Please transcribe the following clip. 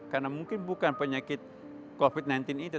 karena mungkin bukan penyakit covid sembilan belas itu